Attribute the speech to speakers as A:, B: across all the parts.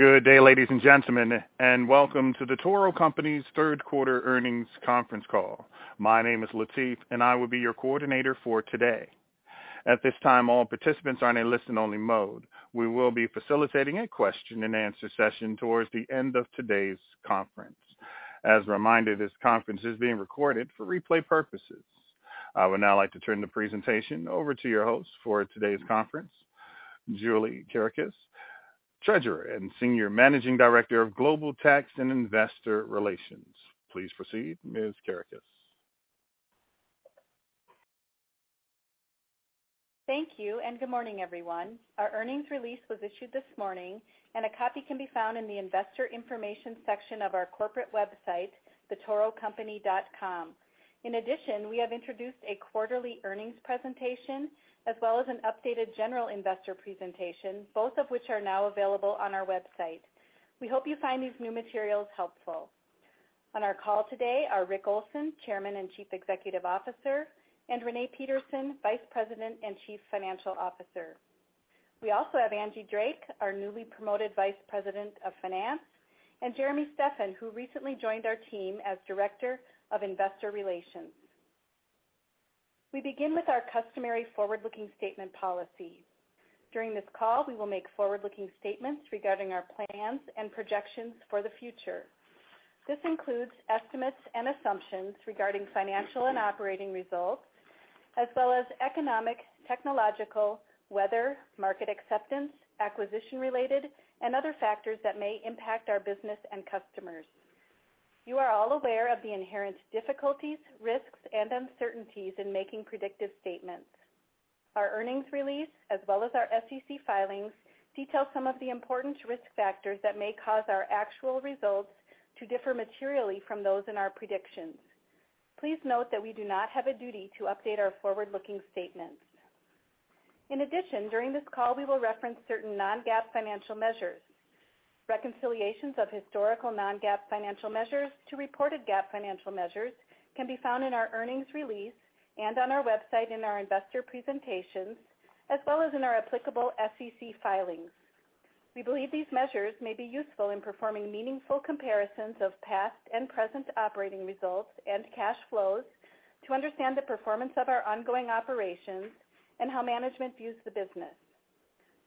A: Good day, ladies and gentlemen, and welcome to The Toro Company's third quarter earnings conference call. My name is Latif, and I will be your coordinator for today. At this time, all participants are in a listen-only mode. We will be facilitating a question-and-answer session towards the end of today's conference. As a reminder, this conference is being recorded for replay purposes. I would now like to turn the presentation over to your host for today's conference, Julie Kerekes, Treasurer and Senior Managing Director of Global Tax and Investor Relations. Please proceed, Ms. Kerekes.
B: Thank you, and good morning, everyone. Our earnings release was issued this morning, and a copy can be found in the investor information section of our corporate website, thetorocompany.com. In addition, we have introduced a quarterly earnings presentation as well as an updated general investor presentation, both of which are now available on our website. We hope you find these new materials helpful. On our call today are Rick Olson, Chairman and Chief Executive Officer, and Renee Peterson, Vice President and Chief Financial Officer. We also have Angela Drake, our newly promoted Vice President of Finance, and Jeremy Steffen, who recently joined our team as Director of Investor Relations. We begin with our customary forward-looking statement policy. During this call, we will make forward-looking statements regarding our plans and projections for the future. This includes estimates and assumptions regarding financial and operating results, as well as economic, technological, weather, market acceptance, acquisition-related, and other factors that may impact our business and customers. You are all aware of the inherent difficulties, risks, and uncertainties in making predictive statements. Our earnings release, as well as our SEC filings, detail some of the important risk factors that may cause our actual results to differ materially from those in our predictions. Please note that we do not have a duty to update our forward-looking statements. In addition, during this call, we will reference certain non-GAAP financial measures. Reconciliations of historical non-GAAP financial measures to reported GAAP financial measures can be found in our earnings release and on our website in our investor presentations, as well as in our applicable SEC filings. We believe these measures may be useful in performing meaningful comparisons of past and present operating results and cash flows to understand the performance of our ongoing operations and how management views the business.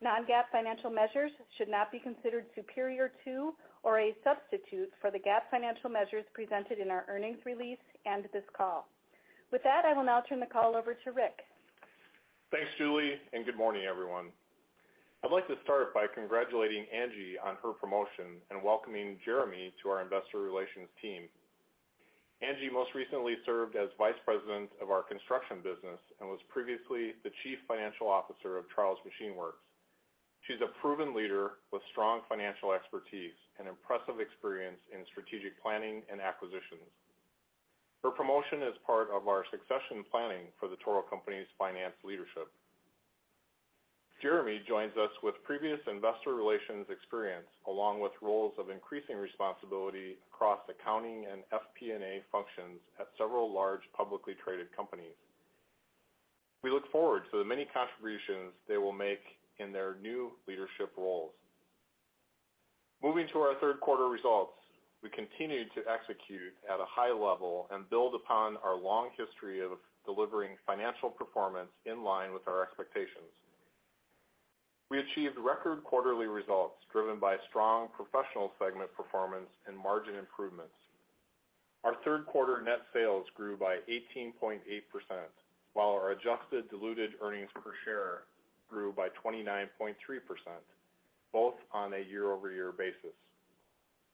B: Non-GAAP financial measures should not be considered superior to or a substitute for the GAAP financial measures presented in our earnings release and this call. With that, I will now turn the call over to Rick.
C: Thanks, Julie, and good morning, everyone. I'd like to start by congratulating Angie on her promotion and welcoming Jeremy to our investor relations team. Angie most recently served as vice president of our construction business and was previously the chief financial officer of The Charles Machine Works. She's a proven leader with strong financial expertise and impressive experience in strategic planning and acquisitions. Her promotion is part of our succession planning for The Toro Company's finance leadership. Jeremy joins us with previous investor relations experience, along with roles of increasing responsibility across accounting and FP&A functions at several large publicly traded companies. We look forward to the many contributions they will make in their new leadership roles. Moving to our third quarter results, we continued to execute at a high level and build upon our long history of delivering financial performance in line with our expectations. We achieved record quarterly results driven by strong Professional segment performance and margin improvements. Our third quarter net sales grew by 18.8%, while our adjusted diluted earnings per share grew by 29.3%, both on a year-over-year basis.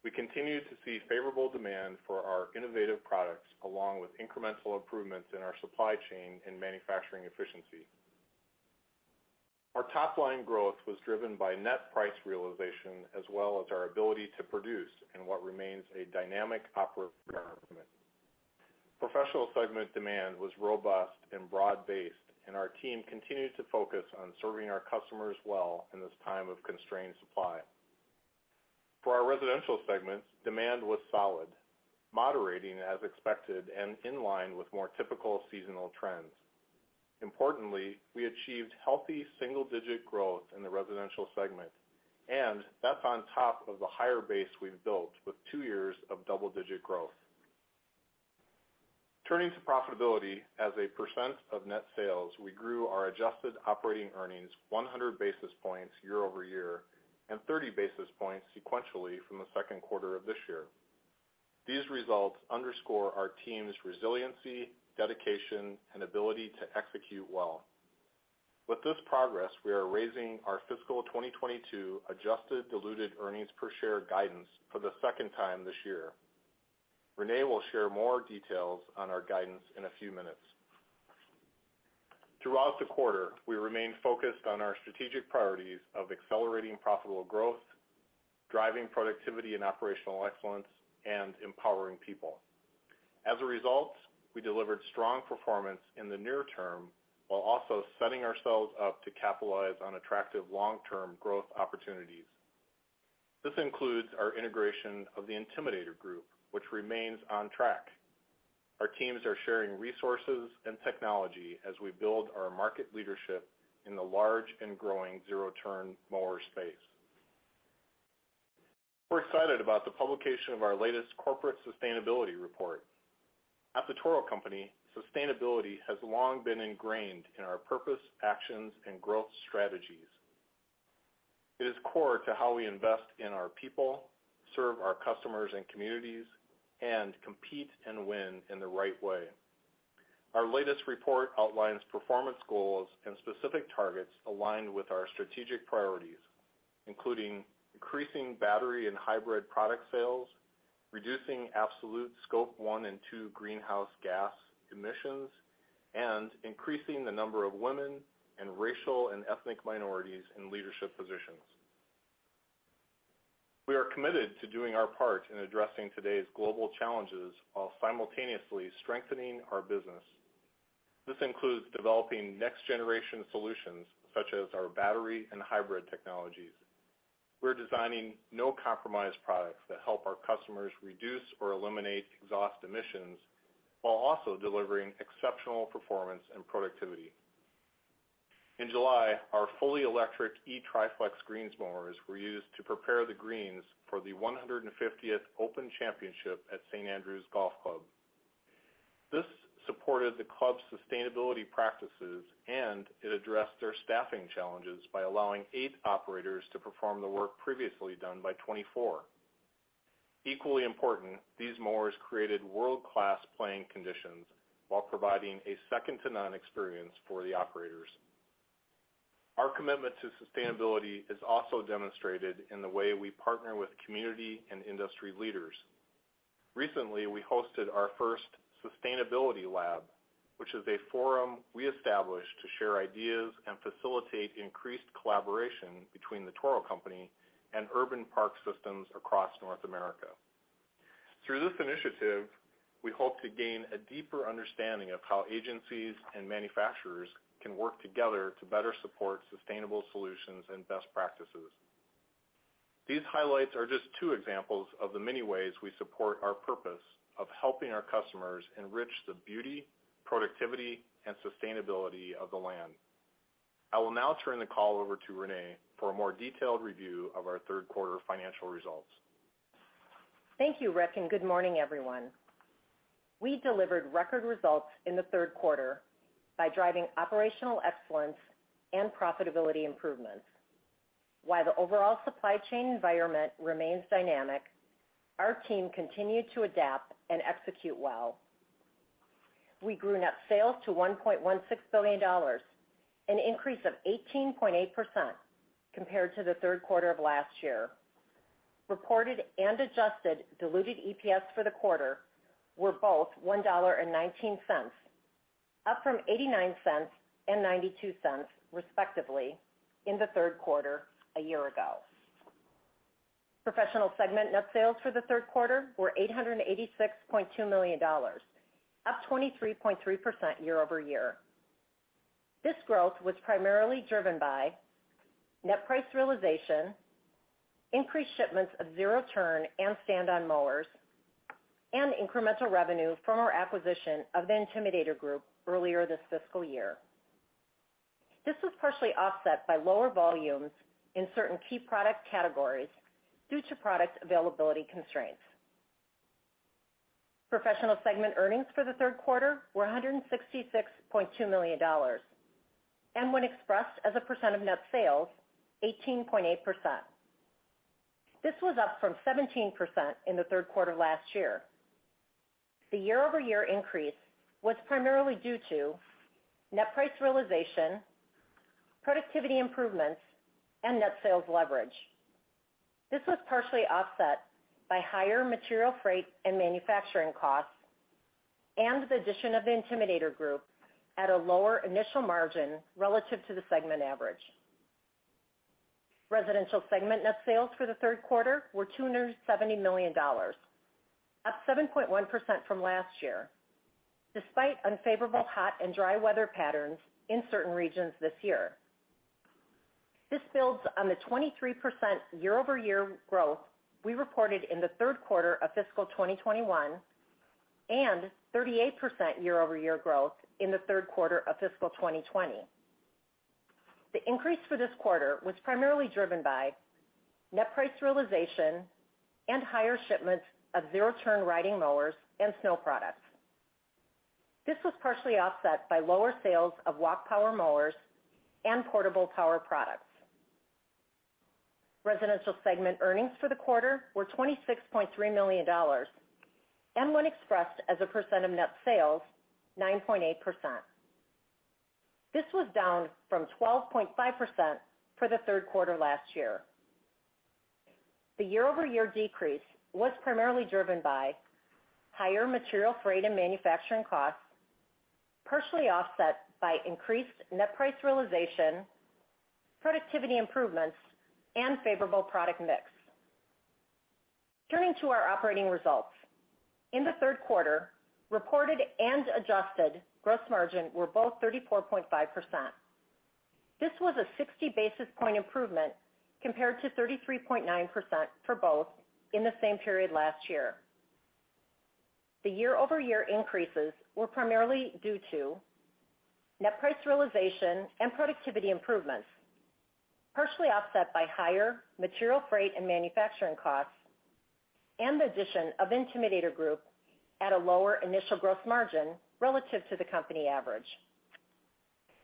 C: We continue to see favorable demand for our innovative products along with incremental improvements in our supply chain and manufacturing efficiency. Our top line growth was driven by net price realization as well as our ability to produce in what remains a dynamic operating environment. Professional segment demand was robust and broad-based, and our team continued to focus on serving our customers well in this time of constrained supply. For our Residential segment, demand was solid, moderating as expected and in line with more typical seasonal trends. Importantly, we achieved healthy single-digit growth in the Residential segment, and that's on top of the higher base we've built with 2 years of double-digit growth. Turning to profitability, as a percent of net sales, we grew our adjusted operating earnings 100 basis points year-over-year and 30 basis points sequentially from the second quarter of this year. These results underscore our team's resiliency, dedication, and ability to execute well. With this progress, we are raising our fiscal 2022 adjusted diluted earnings per share guidance for the second time this year. Renee will share more details on our guidance in a few minutes. Throughout the quarter, we remained focused on our strategic priorities of accelerating profitable growth, driving productivity and operational excellence, and empowering people. As a result, we delivered strong performance in the near term while also setting ourselves up to capitalize on attractive long-term growth opportunities. This includes our integration of the Intimidator Group, which remains on track. Our teams are sharing resources and technology as we build our market leadership in the large and growing zero-turn mower space. We're excited about the publication of our latest corporate sustainability report. At The Toro Company, sustainability has long been ingrained in our purpose, actions, and growth strategies. It is core to how we invest in our people, serve our customers and communities, and compete and win in the right way. Our latest report outlines performance goals and specific targets aligned with our strategic priorities, including increasing battery and hybrid product sales, reducing absolute Scope 1 and Scope 2 greenhouse gas emissions, and increasing the number of women and racial and ethnic minorities in leadership positions. We are committed to doing our part in addressing today's global challenges while simultaneously strengthening our business. This includes developing next-generation solutions such as our battery and hybrid technologies. We're designing no-compromise products that help our customers reduce or eliminate exhaust emissions while also delivering exceptional performance and productivity. In July, our fully electric Greensmaster eTriFlex were used to prepare the greens for the 150th Open Championship at St Andrews Golf Club. This supported the club's sustainability practices, and it addressed their staffing challenges by allowing 8 operators to perform the work previously done by 24. Equally important, these mowers created world-class playing conditions while providing a second-to-none experience for the operators. Our commitment to sustainability is also demonstrated in the way we partner with community and industry leaders. Recently, we hosted our first sustainability lab, which is a forum we established to share ideas and facilitate increased collaboration between The Toro Company and urban park systems across North America. Through this initiative, we hope to gain a deeper understanding of how agencies and manufacturers can work together to better support sustainable solutions and best practices. These highlights are just two examples of the many ways we support our purpose of helping our customers enrich the beauty, productivity, and sustainability of the land. I will now turn the call over to Renee for a more detailed review of our third quarter financial results.
D: Thank you, Rick, and good morning, everyone. We delivered record results in the third quarter by driving operational excellence and profitability improvements. While the overall supply chain environment remains dynamic, our team continued to adapt and execute well. We grew net sales to $1.16 billion, an increase of 18.8% compared to the third quarter of last year. Reported and adjusted diluted EPS for the quarter were both $1.19, up from $0.89 and $0.92, respectively, in the third quarter a year ago. Professional segment net sales for the third quarter were $886.2 million, up 23.3% year-over-year. This growth was primarily driven by net price realization, increased shipments of zero-turn and stand-on mowers, and incremental revenue from our acquisition of the Intimidator Group earlier this fiscal year. This was partially offset by lower volumes in certain key product categories due to product availability constraints. Professional segment earnings for the third quarter were $166.2 million, and when expressed as a percent of net sales, 18.8%. This was up from 17% in the third quarter last year. The year-over-year increase was primarily due to net price realization, productivity improvements, and net sales leverage. This was partially offset by higher material freight and manufacturing costs and the addition of the Intimidator Group at a lower initial margin relative to the segment average. Residential segment net sales for the third quarter were $270 million, up 7.1% from last year, despite unfavorable hot and dry weather patterns in certain regions this year. This builds on the 23% year-over-year growth we reported in the third quarter of fiscal 2021 and 38% year-over-year growth in the third quarter of fiscal 2020. The increase for this quarter was primarily driven by net price realization and higher shipments of zero-turn riding mowers and snow products. This was partially offset by lower sales of walk power mowers and portable power products. Residential segment earnings for the quarter were $26.3 million, and when expressed as a percent of net sales, 9.8%. This was down from 12.5% for the third quarter last year. The year-over-year decrease was primarily driven by higher material freight and manufacturing costs, partially offset by increased net price realization, productivity improvements, and favorable product mix. Turning to our operating results. In the third quarter, reported and adjusted gross margin were both 34.5%. This was a 60 basis point improvement compared to 33.9% for both in the same period last year. The year-over-year increases were primarily due to net price realization and productivity improvements, partially offset by higher material freight and manufacturing costs and the addition of Intimidator Group at a lower initial gross margin relative to the company average.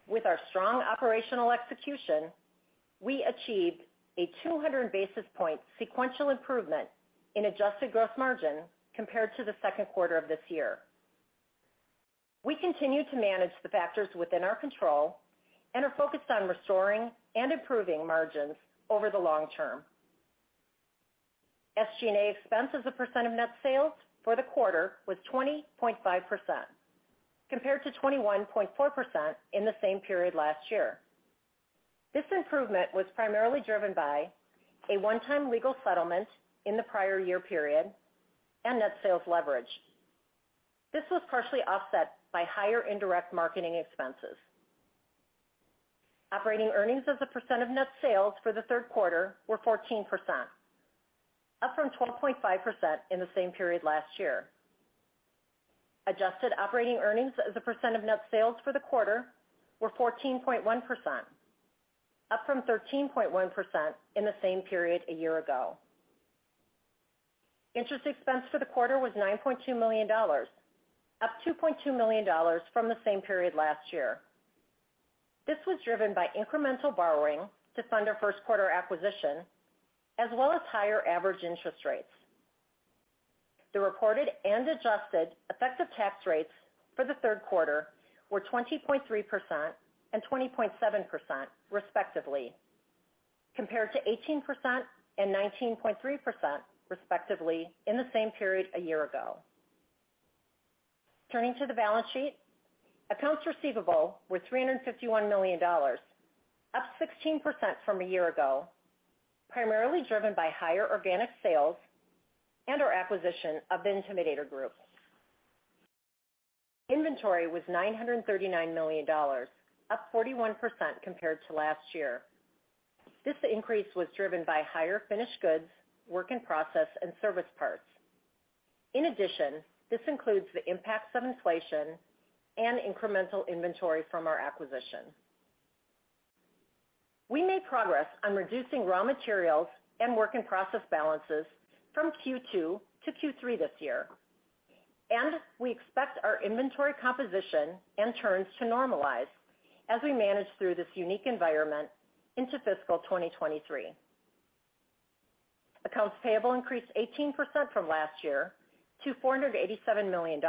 D: With our strong operational execution, we achieved a 200 basis point sequential improvement in adjusted gross margin compared to the second quarter of this year. We continue to manage the factors within our control and are focused on restoring and improving margins over the long term. SG&A expense as a percent of net sales for the quarter was 20.5%, compared to 21.4% in the same period last year. This improvement was primarily driven by a one-time legal settlement in the prior year period and net sales leverage. This was partially offset by higher indirect marketing expenses. Operating earnings as a percent of net sales for the third quarter were 14%, up from 12.5% in the same period last year. Adjusted operating earnings as a percent of net sales for the quarter were 14.1%, up from 13.1% in the same period a year ago. Interest expense for the quarter was $9.2 million, up $2.2 million from the same period last year. This was driven by incremental borrowing to fund our first quarter acquisition, as well as higher average interest rates. The reported and adjusted effective tax rates for the third quarter were 20.3% and 20.7% respectively, compared to 18% and 19.3% respectively in the same period a year ago. Turning to the balance sheet. Accounts receivable were $351 million, up 16% from a year ago, primarily driven by higher organic sales and our acquisition of Intimidator Group. Inventory was $939 million, up 41% compared to last year. This increase was driven by higher finished goods, work in process and service parts. In addition, this includes the impacts of inflation and incremental inventory from our acquisition. We made progress on reducing raw materials and work in process balances from Q2 to Q3 this year, and we expect our inventory composition and turns to normalize as we manage through this unique environment into fiscal 2023. Accounts payable increased 18% from last year to $487 million.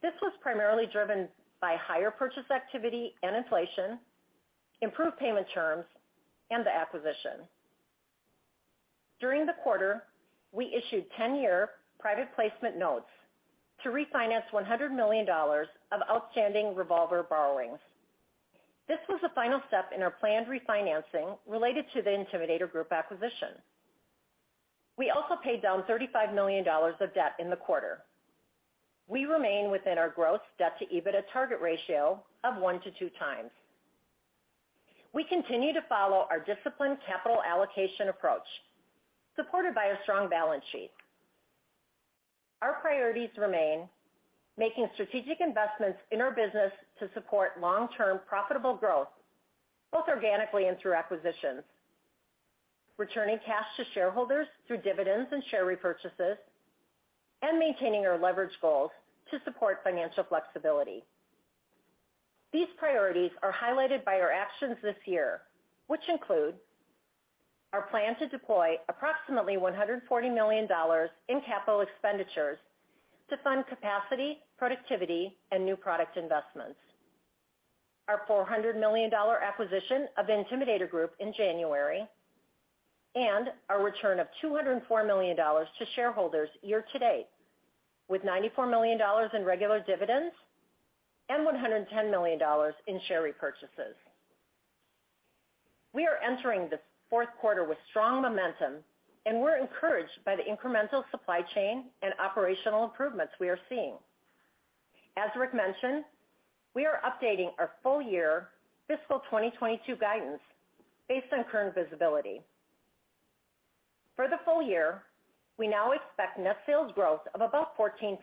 D: This was primarily driven by higher purchase activity and inflation, improved payment terms and the acquisition. During the quarter, we issued 10-year private placement notes to refinance $100 million of outstanding revolver borrowings. This was the final step in our planned refinancing related to the Intimidator Group acquisition. We also paid down $35 million of debt in the quarter. We remain within our gross debt to EBITDA target ratio of 1-2 times. We continue to follow our disciplined capital allocation approach, supported by a strong balance sheet. Our priorities remain making strategic investments in our business to support long-term profitable growth, both organically and through acquisitions, returning cash to shareholders through dividends and share repurchases, and maintaining our leverage goals to support financial flexibility. These priorities are highlighted by our actions this year, which include our plan to deploy approximately $140 million in capital expenditures to fund capacity, productivity and new product investments. Our $400 million acquisition of Intimidator Group in January and our return of $204 million to shareholders year to date, with $94 million in regular dividends and $110 million in share repurchases. We are entering the fourth quarter with strong momentum, and we're encouraged by the incremental supply chain and operational improvements we are seeing. As Rick mentioned, we are updating our full year fiscal 2022 guidance based on current visibility. For the full year, we now expect net sales growth of about 14%.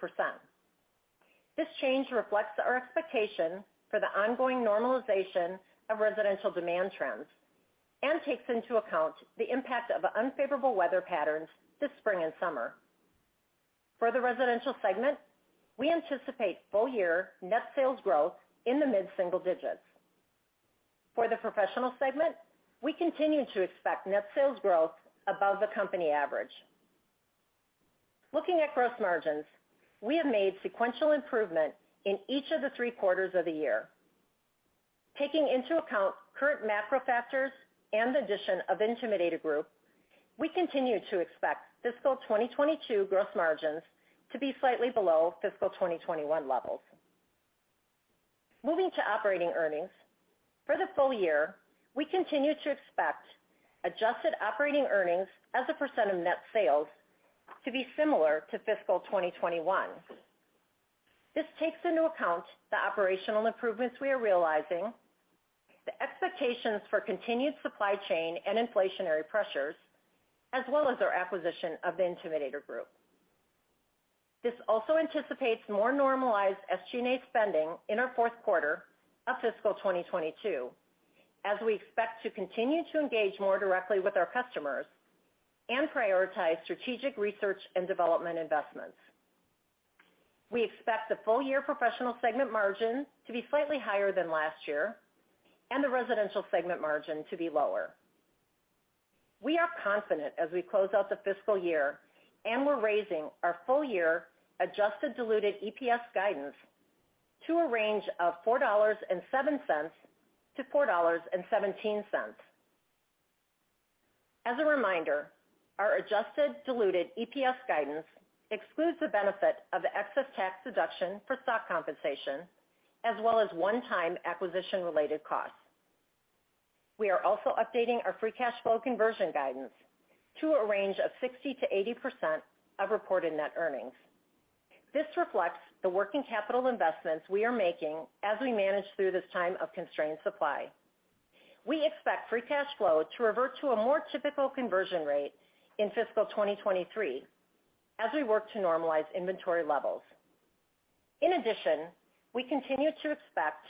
D: This change reflects our expectation for the ongoing normalization of residential demand trends and takes into account the impact of unfavorable weather patterns this spring and summer. For the residential segment, we anticipate full year net sales growth in the mid-single digits. For the professional segment, we continue to expect net sales growth above the company average. Looking at gross margins, we have made sequential improvement in each of the 3 quarters of the year. Taking into account current macro factors and the addition of Intimidator Group, we continue to expect fiscal 2022 gross margins to be slightly below fiscal 2021 levels. Moving to operating earnings. For the full year, we continue to expect adjusted operating earnings as a % of net sales to be similar to fiscal 2021. This takes into account the operational improvements we are realizing, the expectations for continued supply chain and inflationary pressures, as well as our acquisition of the Intimidator Group. This also anticipates more normalized SG&A spending in our fourth quarter of fiscal 2022, as we expect to continue to engage more directly with our customers and prioritize strategic research and development investments. We expect the full year Professional segment margin to be slightly higher than last year and the Residential segment margin to be lower. We are confident as we close out the fiscal year, and we're raising our full year adjusted diluted EPS guidance to a range of $4.07-$4.17. As a reminder, our adjusted diluted EPS guidance excludes the benefit of excess tax deduction for stock compensation as well as one-time acquisition-related costs. We are also updating our free cash flow conversion guidance to a range of 60%-80% of reported net earnings. This reflects the working capital investments we are making as we manage through this time of constrained supply. We expect free cash flow to revert to a more typical conversion rate in fiscal 2023 as we work to normalize inventory levels. In addition, we continue to expect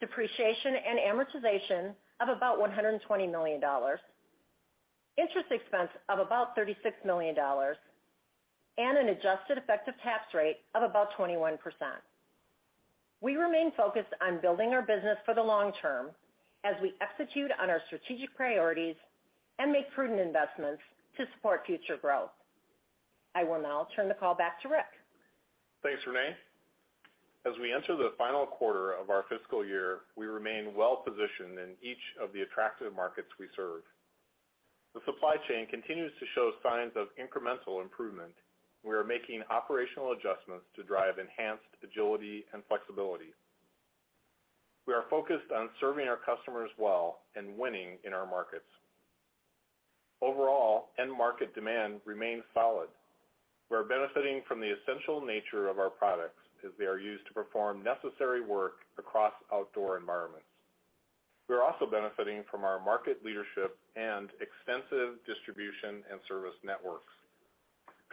D: depreciation and amortization of about $120 million, interest expense of about $36 million, and an adjusted effective tax rate of about 21%. We remain focused on building our business for the long term as we execute on our strategic priorities and make prudent investments to support future growth. I will now turn the call back to Rick.
C: Thanks, Renee. As we enter the final quarter of our fiscal year, we remain well positioned in each of the attractive markets we serve. The supply chain continues to show signs of incremental improvement. We are making operational adjustments to drive enhanced agility and flexibility. We are focused on serving our customers well and winning in our markets. Overall, end market demand remains solid. We are benefiting from the essential nature of our products as they are used to perform necessary work across outdoor environments. We are also benefiting from our market leadership and extensive distribution and service networks.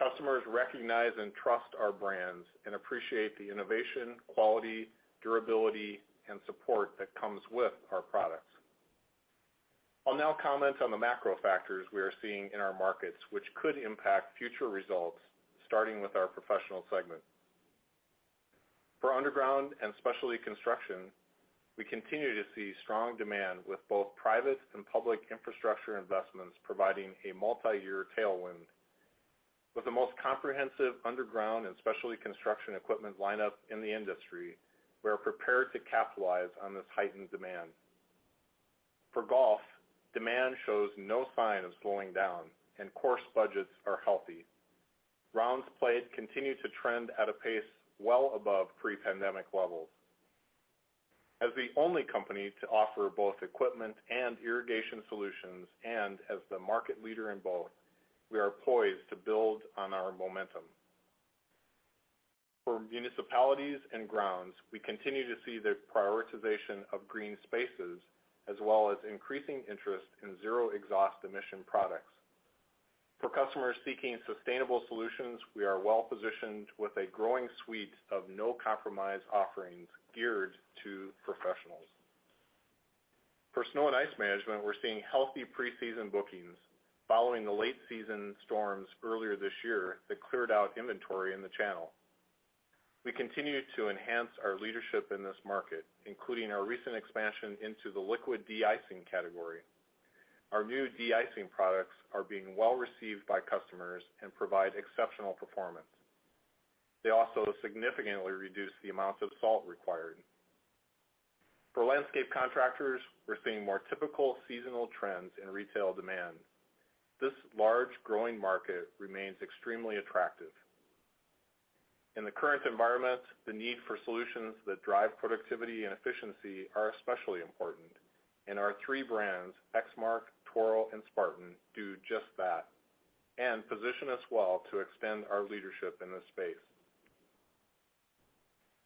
C: Customers recognize and trust our brands and appreciate the innovation, quality, durability, and support that comes with our products. I'll now comment on the macro factors we are seeing in our markets, which could impact future results, starting with our Professional segment. For underground and specialty construction, we continue to see strong demand with both private and public infrastructure investments providing a multiyear tailwind. With the most comprehensive underground and specialty construction equipment lineup in the industry, we are prepared to capitalize on this heightened demand. For golf, demand shows no sign of slowing down, and course budgets are healthy. Rounds played continue to trend at a pace well above pre-pandemic levels. As the only company to offer both equipment and irrigation solutions, and as the market leader in both, we are poised to build on our momentum. For municipalities and grounds, we continue to see the prioritization of green spaces as well as increasing interest in zero exhaust emission products. For customers seeking sustainable solutions, we are well positioned with a growing suite of no-compromise offerings geared to professionals. For snow and ice management, we're seeing healthy preseason bookings following the late season storms earlier this year that cleared out inventory in the channel. We continue to enhance our leadership in this market, including our recent expansion into the liquid de-icing category. Our new de-icing products are being well received by customers and provide exceptional performance. They also significantly reduce the amount of salt required. For landscape contractors, we're seeing more typical seasonal trends in retail demand. This large growing market remains extremely attractive. In the current environment, the need for solutions that drive productivity and efficiency are especially important, and our three brands, Exmark, Toro, and Spartan, do just that and position us well to extend our leadership in this space.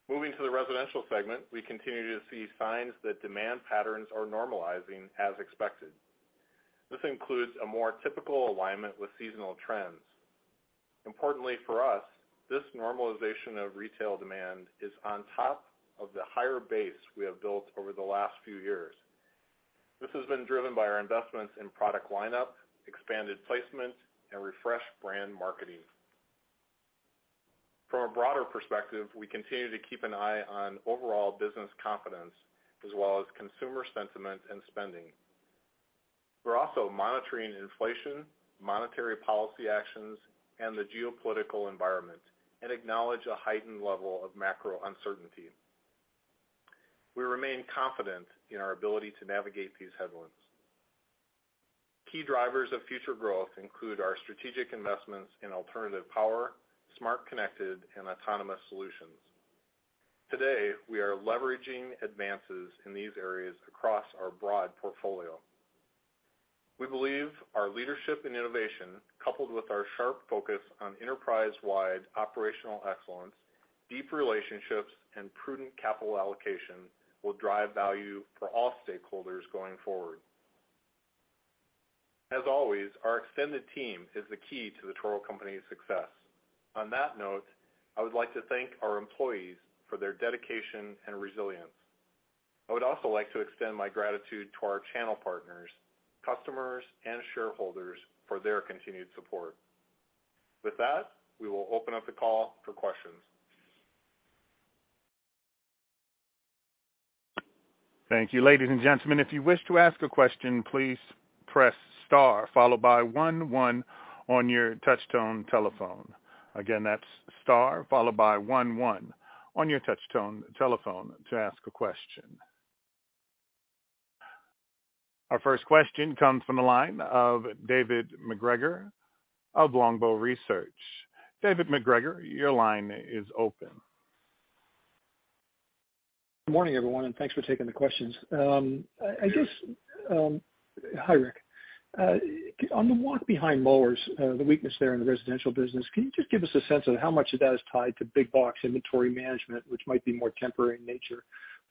C: Moving to the Residential segment, we continue to see signs that demand patterns are normalizing as expected. This includes a more typical alignment with seasonal trends. Importantly for us, this normalization of retail demand is on top of the higher base we have built over the last few years. This has been driven by our investments in product lineup, expanded placement, and refreshed brand marketing. From a broader perspective, we continue to keep an eye on overall business confidence as well as consumer sentiment and spending. We're also monitoring inflation, monetary policy actions, and the geopolitical environment and acknowledge a heightened level of macro uncertainty. We remain confident in our ability to navigate these headwinds. Key drivers of future growth include our strategic investments in alternative power, smart, connected, and autonomous solutions. Today, we are leveraging advances in these areas across our broad portfolio. We believe our leadership and innovation, coupled with our sharp focus on enterprise-wide operational excellence, deep relationships, and prudent capital allocation, will drive value for all stakeholders going forward. As always, our extended team is the key to The Toro Company's success. On that note, I would like to thank our employees for their dedication and resilience. I would also like to extend my gratitude to our channel partners, customers, and shareholders for their continued support. With that, we will open up the call for questions.
A: Thank you. Ladies and gentlemen, if you wish to ask a question, please press star followed by one on your touch-tone telephone. Again, that's star followed by one on your touch-tone telephone to ask a question. Our first question comes from the line of David MacGregor of Longbow Research. David MacGregor, your line is open.
E: Morning, everyone, and thanks for taking the questions. Hi, Rick. On the walk behind mowers, the weakness there in the residential business, can you just give us a sense of how much of that is tied to big box inventory management, which might be more temporary in nature,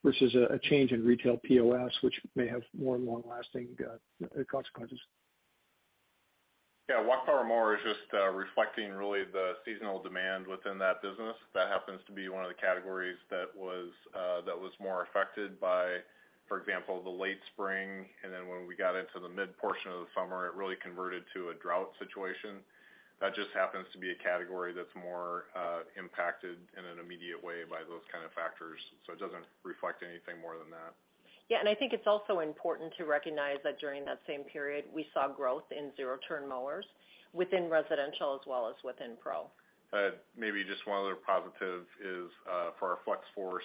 E: versus a change in retail POS, which may have more long-lasting consequences?
C: Yeah. Walk power mower is just reflecting really the seasonal demand within that business. That happens to be one of the categories that was more affected by, for example, the late spring. When we got into the mid portion of the summer, it really converted to a drought situation. That just happens to be a category that's more impacted in an immediate way by those kind of factors. It doesn't reflect anything more than that.
D: Yeah. I think it's also important to recognize that during that same period, we saw growth in zero turn mowers within residential as well as within pro.
C: Maybe just one other positive is for our Flex-Force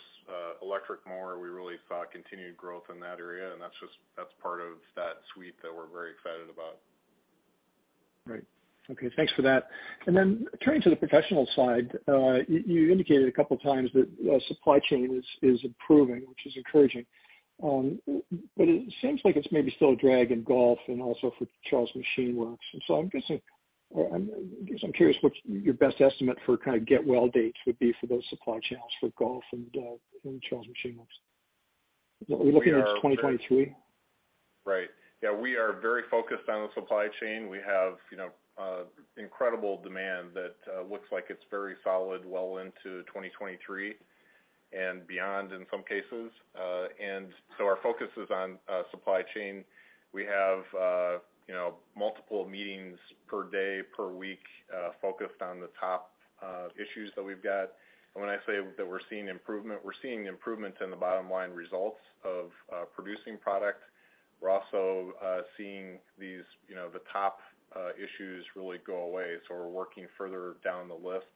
C: electric mower, we really saw continued growth in that area, and that's part of that suite that we're very excited about.
E: Right. Okay, thanks for that. Turning to the professional side, you indicated a couple of times that supply chain is improving, which is encouraging. It seems like it's maybe still a drag in golf and also for The Charles Machine Works. I'm curious what's your best estimate for kind of get well dates would be for those supply chains for golf and The Charles Machine Works. Are we looking at 2023?
C: Right. Yeah, we are very focused on the supply chain. We have, you know, incredible demand that looks like it's very solid well into 2023 and beyond in some cases. Our focus is on supply chain. We have, you know, multiple meetings per day, per week, focused on the top issues that we've got. When I say that we're seeing improvement, we're seeing improvement in the bottom line results of producing product. We're also seeing these, you know, the top issues really go away. We're working further down the list.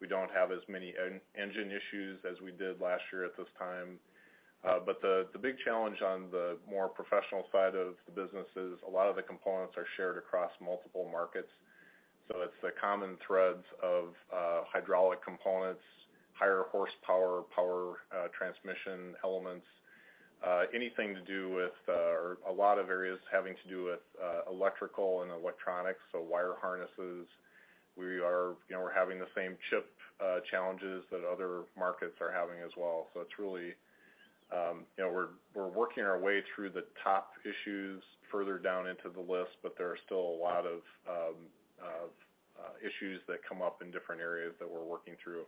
C: We don't have as many engine issues as we did last year at this time. The big challenge on the more professional side of the business is a lot of the components are shared across multiple markets. It's the common threads of hydraulic components, higher horsepower, power, transmission elements, anything to do with or a lot of areas having to do with electrical and electronics, so wire harnesses. You know, we're having the same chip challenges that other markets are having as well. It's really, you know, we're working our way through the top issues further down into the list, but there are still a lot of issues that come up in different areas that we're working through.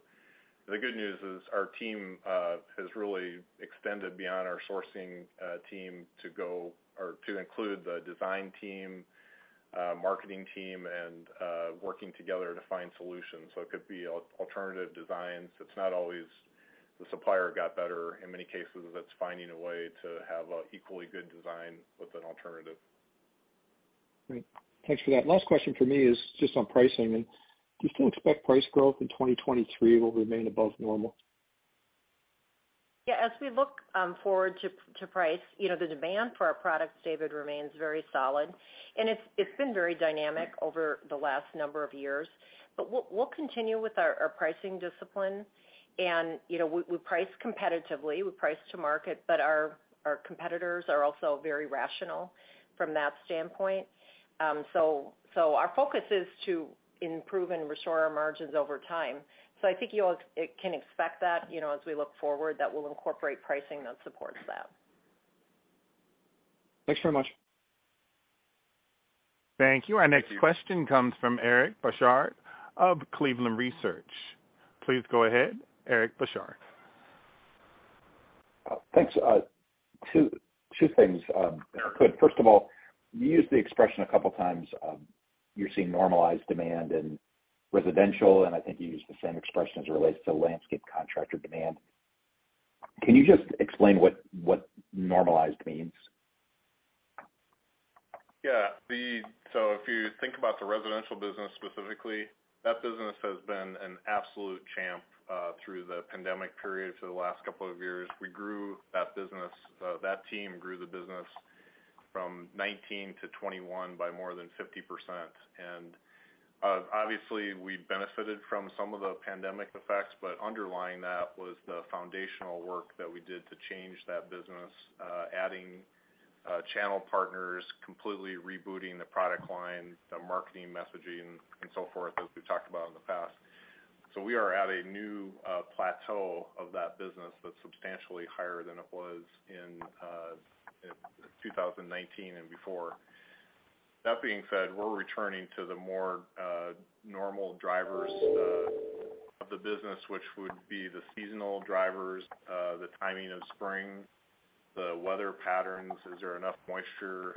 C: The good news is our team has really extended beyond our sourcing team to include the design team, marketing team and working together to find solutions. It could be alternative designs. It's not always the supplier got better. In many cases, it's finding a way to have an equally good design with an alternative.
E: Great. Thanks for that. Last question for me is just on pricing. Do you still expect price growth in 2023 will remain above normal?
D: Yeah. As we look forward to pricing, you know, the demand for our products, David, remains very solid, and it's been very dynamic over the last number of years. We'll continue with our pricing discipline. You know, we price competitively, we price to market, but our competitors are also very rational from that standpoint. Our focus is to improve and restore our margins over time. I think you all can expect that, you know, as we look forward, that we'll incorporate pricing that supports that.
E: Thanks very much.
A: Thank you. Our next question comes from Eric Bosshard of Cleveland Research. Please go ahead, Eric Bosshard.
F: Thanks. Two things, Rick. First of all, you used the expression a couple of times, you're seeing normalized demand in residential, and I think you used the same expression as it relates to landscape contractor demand. Can you just explain what normalized means?
C: Yeah. If you think about the residential business specifically, that business has been an absolute champ through the pandemic period for the last couple of years. We grew that business. That team grew the business from 2019 to 2021 by more than 50%. And, obviously, we benefited from some of the pandemic effects, but underlying that was the foundational work that we did to change that business, adding channel partners, completely rebooting the product line, the marketing messaging, and so forth, as we've talked about in the past. We are at a new plateau of that business that's substantially higher than it was in 2019 and before. That being said, we're returning to the more normal drivers of the business, which would be the seasonal drivers, the timing of spring, the weather patterns. Is there enough moisture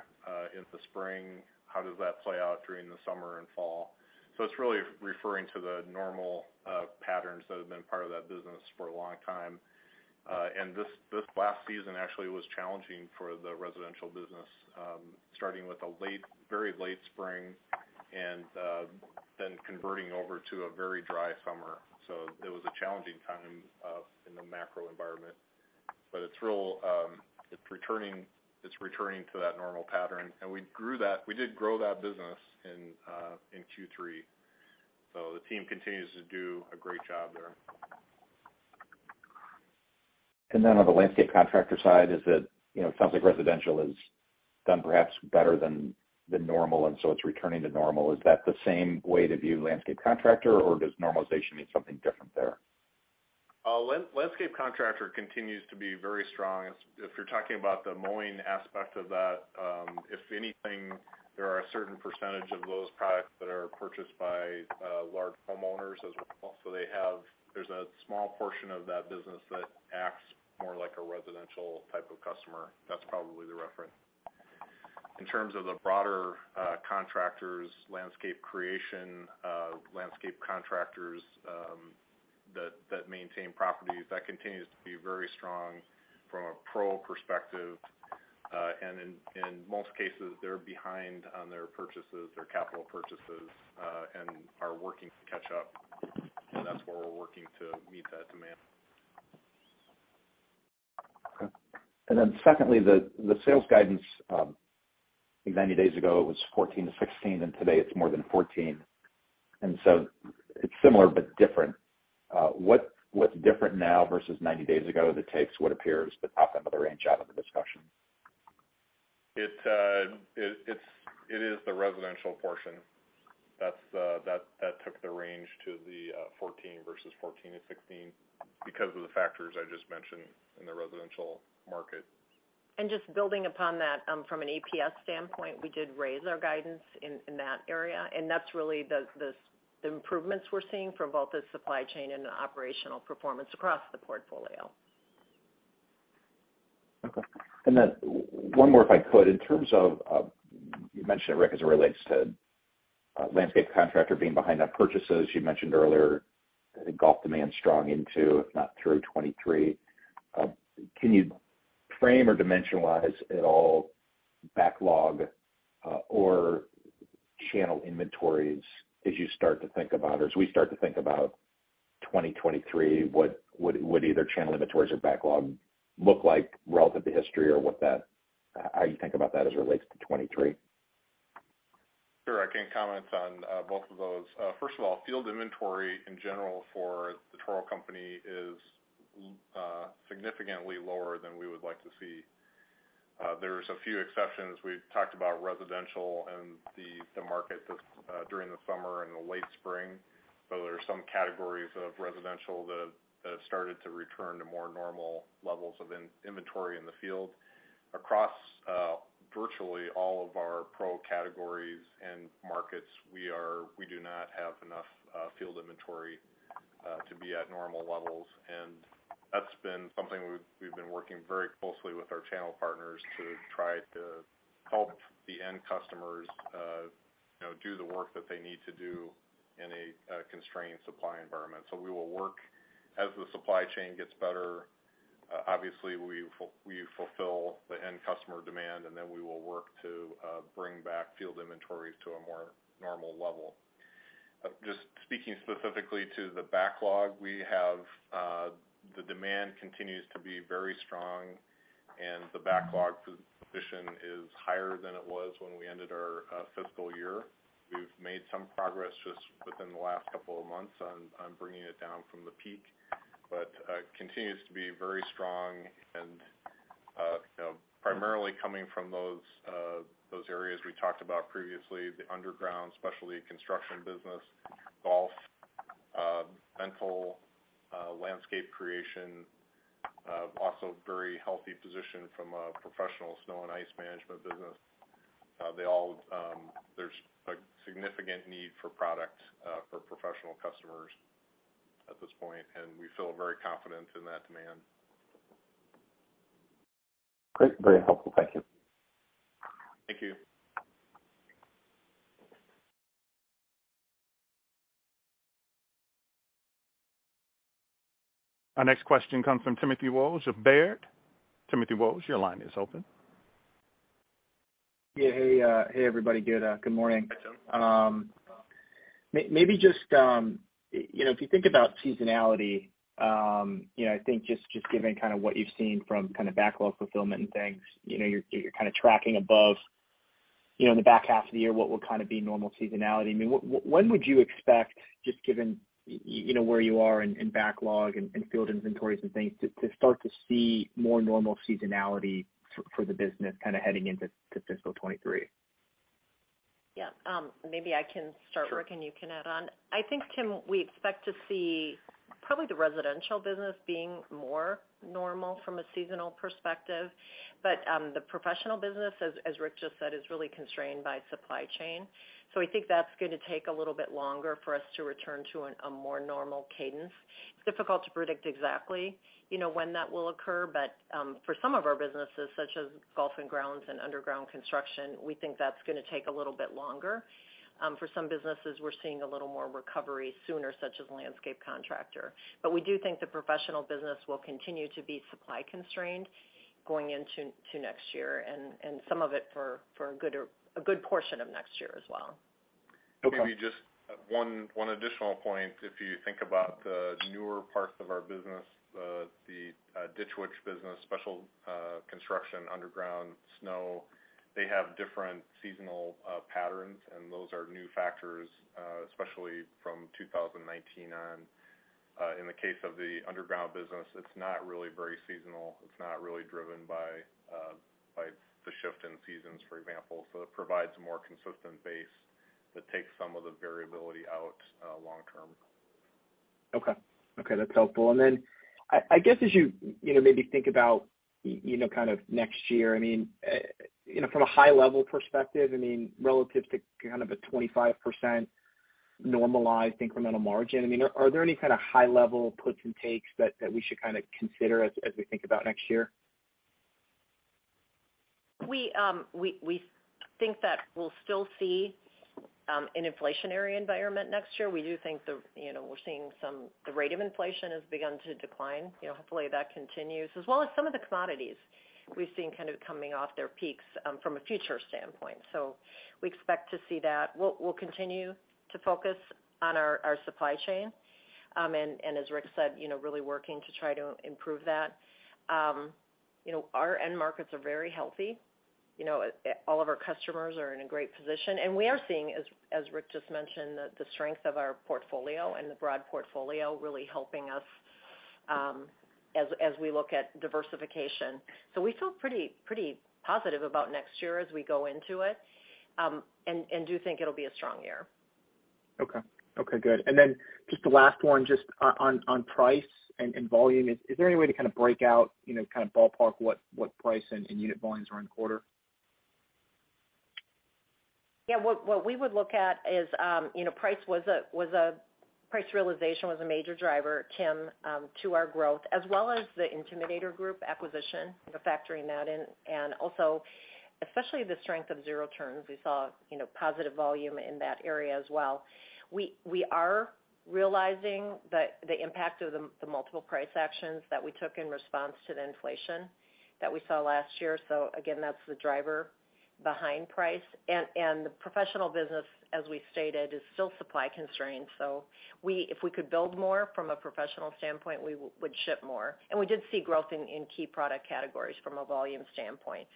C: in the spring? How does that play out during the summer and fall? It's really referring to the normal patterns that have been part of that business for a long time. This last season actually was challenging for the residential business, starting with a late, very late spring and then converting over to a very dry summer. It was a challenging time in the macro environment. It's really returning to that normal pattern, and we did grow that business in Q3. The team continues to do a great job there.
F: On the landscape contractor side, is it, you know, it sounds like residential has done perhaps better than normal, and so it's returning to normal. Is that the same way to view landscape contractor, or does normalization mean something different there?
C: Landscape contractor continues to be very strong. If you're talking about the mowing aspect of that, if anything, there are a certain percentage of those products that are purchased by large homeowners as well. There's a small portion of that business that acts more like a residential type of customer. That's probably the reference. In terms of the broader contractors, landscape creation, landscape contractors that maintain properties, that continues to be very strong from a pro perspective. In most cases, they're behind on their purchases, their capital purchases, and are working to catch up. That's where we're working to meet that demand.
F: Okay. Secondly, the sales guidance, I think 90 days ago, it was 14 to 16, and today, it's more than 14. It's similar, but different. What's different now versus 90 days ago that takes what appears to pop another range out of the discussion?
C: It is the residential portion. That took the range to 14 versus 14-16 because of the factors I just mentioned in the residential market.
D: Just building upon that, from an EPS standpoint, we did raise our guidance in that area, and that's really the improvements we're seeing from both the supply chain and the operational performance across the portfolio.
F: Okay. One more, if I could. In terms of, you mentioned, Rick, as it relates to, landscape contractor being behind on purchases. You mentioned earlier golf demand's strong into, if not through 2023. Can you frame or dimensionalize at all backlog, or channel inventories as you start to think about or as we start to think about 2023? What would either channel inventories or backlog look like relative to history or how you think about that as it relates to 2023?
C: Sure, I can comment on both of those. First of all, field inventory in general for The Toro Company is significantly lower than we would like to see. There's a few exceptions. We've talked about residential and the market this during the summer and the late spring. So there are some categories of residential that have started to return to more normal levels of inventory in the field. Across virtually all of our pro categories and markets, we do not have enough field inventory to be at normal levels. And that's been something we've been working very closely with our channel partners to try to help the end customers, you know, do the work that they need to do in a constrained supply environment. We will work as the supply chain gets better. Obviously, we fulfill the end customer demand, and then we will work to bring back field inventories to a more normal level. Just speaking specifically to the backlog, the demand continues to be very strong, and the backlog position is higher than it was when we ended our fiscal year. We've made some progress just within the last couple of months on bringing it down from the peak, but continues to be very strong and, you know, primarily coming from those areas we talked about previously, the underground specialty construction business, golf, rental, landscape creation, also very healthy position from a professional snow and ice management business. They all. There's a significant need for product for professional customers at this point, and we feel very confident in that demand.
F: Great. Very helpful. Thank you.
C: Thank you.
A: Our next question comes from Timothy Wojs of Baird. Timothy Wojs, your line is open.
G: Yeah. Hey, everybody. Good morning.
C: Hi, Tim.
G: Maybe just, you know, if you think about seasonality, you know, I think just given kind of what you've seen from kind of backlog fulfillment and things, you know, you're kind of tracking above, you know, in the back half of the year what would kind of be normal seasonality. I mean, when would you expect, just given, you know, where you are in backlog and field inventories and things, to start to see more normal seasonality for the business kind of heading into fiscal 2023?
D: Yeah. Maybe I can start, Rick, and you can add on. I think, Tim, we expect to see probably the residential business being more normal from a seasonal perspective. The professional business, as Rick just said, is really constrained by supply chain. I think that's gonna take a little bit longer for us to return to a more normal cadence. It's difficult to predict exactly, you know, when that will occur, but for some of our businesses, such as golf and grounds and underground construction, we think that's gonna take a little bit longer. For some businesses, we're seeing a little more recovery sooner, such as landscape contractor. We do think the professional business will continue to be supply constrained going into next year, and some of it for a good portion of next year as well.
G: Okay.
C: Maybe just one additional point. If you think about the newer parts of our business, the Ditch Witch business, specialty construction, underground, snow, they have different seasonal patterns, and those are new factors, especially from 2019 on. In the case of the underground business, it's not really very seasonal. It's not really driven by the shift in seasons, for example. It provides a more consistent base that takes some of the variability out, long term.
G: Okay. Okay, that's helpful. I guess, as you know, maybe think about, you know, kind of next year, I mean, you know, from a high level perspective, I mean, relative to kind of a 25% normalized incremental margin, I mean, are there any kind of high level puts and takes that we should kind of consider as we think about next year?
D: We think that we'll still see an inflationary environment next year. We do think, you know, we're seeing the rate of inflation has begun to decline. You know, hopefully that continues. As well as some of the commodities we've seen kind of coming off their peaks from a future standpoint. We expect to see that. We'll continue to focus on our supply chain. As Rick said, you know, really working to try to improve that. You know, our end markets are very healthy. You know, all of our customers are in a great position, and we are seeing, as Rick just mentioned, the strength of our portfolio and the broad portfolio really helping us, as we look at diversification. We feel pretty positive about next year as we go into it, and do think it'll be a strong year.
G: Okay. Okay, good. Just the last one just on price and volume. Is there any way to kinda break out, you know, kinda ballpark what price and unit volumes are in quarter?
D: Yeah. What we would look at is, you know, price realization was a major driver, Tim, to our growth, as well as the Intimidator Group acquisition, you know, factoring that in, and also especially the strength of zero turns. We saw, you know, positive volume in that area as well. We are realizing the impact of the multiple price actions that we took in response to the inflation that we saw last year. Again, that's the driver behind price. The professional business, as we stated, is still supply constrained. We, if we could build more from a professional standpoint, we would ship more. We did see growth in key product categories from a volume standpoint.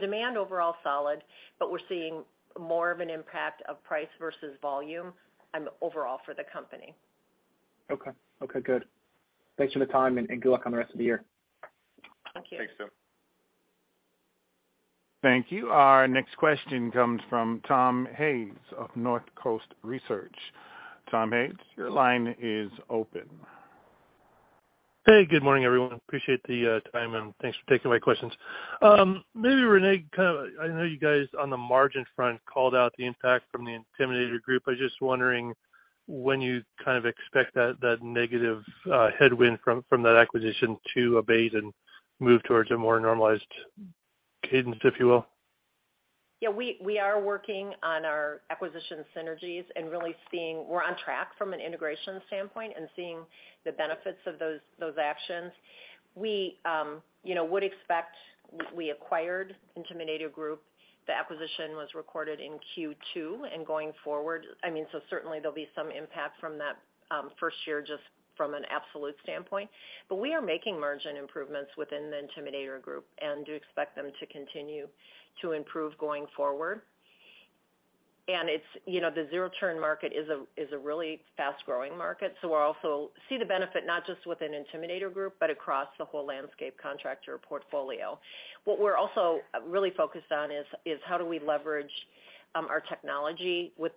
D: Demand overall solid, but we're seeing more of an impact of price versus volume, overall for the company.
G: Okay, good. Thanks for the time, and good luck on the rest of the year.
D: Thank you.
C: Thanks, Tim.
A: Thank you. Our next question comes from Tom Hayes of Northcoast Research. Tom Hayes, your line is open.
H: Hey, good morning, everyone. Appreciate the time, and thanks for taking my questions. Maybe Renee, kinda, I know you guys on the margin front called out the impact from the Intimidator Group. I was just wondering when you kind of expect that negative headwind from that acquisition to abate and move towards a more normalized cadence, if you will.
D: Yeah, we are working on our acquisition synergies and really seeing we're on track from an integration standpoint and seeing the benefits of those actions. We acquired Intimidator Group. The acquisition was recorded in Q2 and going forward. I mean, certainly there'll be some impact from that first year just from an absolute standpoint. We are making margin improvements within the Intimidator Group and do expect them to continue to improve going forward. It's, you know, the zero turn market is a really fast-growing market, so we're also see the benefit not just with an Intimidator Group, but across the whole landscape contractor portfolio. What we're also really focused on is how do we leverage our technology with,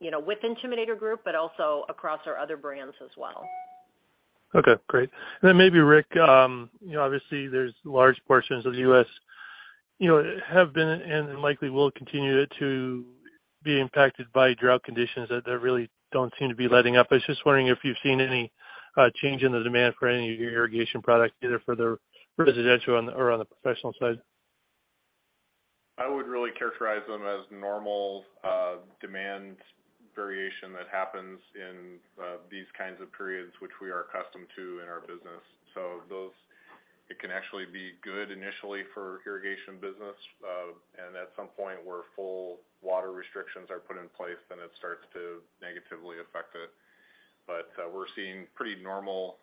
D: you know, with Intimidator Group, but also across our other brands as well.
H: Okay. Great. Maybe Rick, you know, obviously there's large portions of the U.S., you know, have been and likely will continue to be impacted by drought conditions that really don't seem to be letting up. I was just wondering if you've seen any change in the demand for any of your irrigation products, either for the residential or on the professional side.
C: I would really characterize them as normal demand variation that happens in these kinds of periods, which we are accustomed to in our business. Those, it can actually be good initially for irrigation business. At some point, where full water restrictions are put in place, then it starts to negatively affect it. We're seeing pretty normal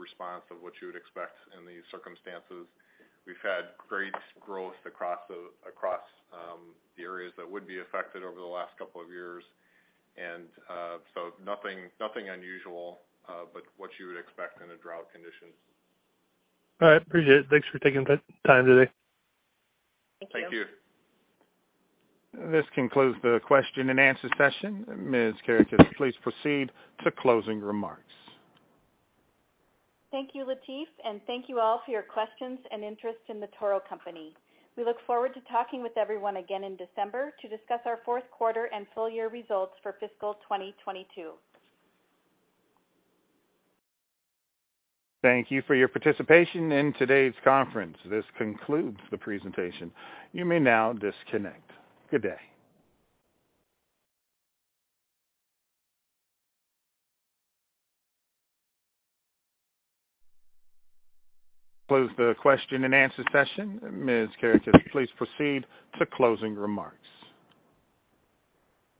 C: response of what you would expect in these circumstances. We've had great growth across the areas that would be affected over the last couple of years. Nothing unusual, but what you would expect in a drought condition.
H: All right. Appreciate it. Thanks for taking the time today.
D: Thank you.
C: Thank you.
A: This concludes the question and answer session. Ms. Kerekes, please proceed to closing remarks.
B: Thank you, Latif, and thank you all for your questions and interest in The Toro Company. We look forward to talking with everyone again in December to discuss our fourth quarter and full year results for fiscal 2022.
A: Thank you for your participation in today's conference. This concludes the presentation. You may now disconnect. Good day. Close the question and answer session. Ms. Kerekes, please proceed to closing remarks.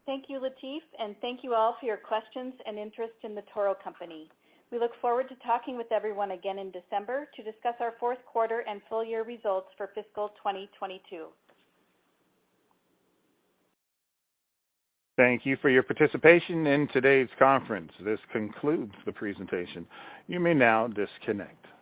B: Thank you, Latif, and thank you all for your questions and interest in The Toro Company. We look forward to talking with everyone again in December to discuss our fourth quarter and full year results for fiscal 2022.
A: Thank you for your participation in today's conference. This concludes the presentation. You may now disconnect. Good day.